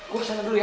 gue kesana dulu ya